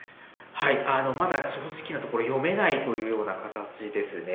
まだ正直なところ、読めないというような形ですね。